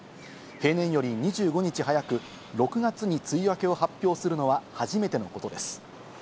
平年より２５日早く、６月に梅雨明けを発表するのは初めてのことです。